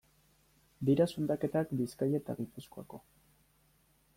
Dira zundaketak Bizkaia eta Gipuzkoako.